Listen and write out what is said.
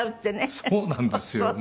そうなんですよ。